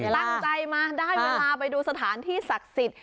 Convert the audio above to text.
ตั้งใจมาได้เวลาไปดูสถานที่ศักดิ์สิทธิ์